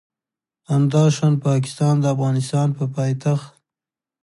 همداشان پاکستان د افغانستان په پایتخت